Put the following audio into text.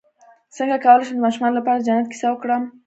څنګه کولی شم د ماشومانو لپاره د جنت کیسه وکړم